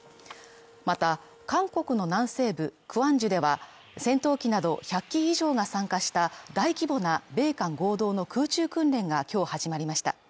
また、韓国の南西部、クアンジュでは戦闘機など１００機以上が参加した大規模な米韓合同の空中訓練が今日始まりました。